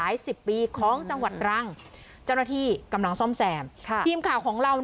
มีประชาชนในพื้นที่เขาถ่ายคลิปเอาไว้ได้ค่ะ